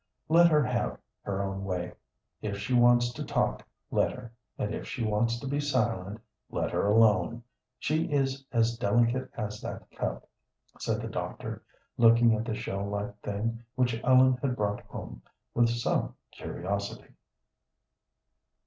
"Let her have her own way: if she wants to talk, let her, and if she wants to be silent, let her alone. She is as delicate as that cup," said the doctor, looking at the shell like thing which Ellen had brought home, with some curiosity.